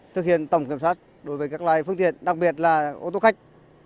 thực hiện tổng kiểm soát đối với các loại phương tiện đặc biệt là ô tô khách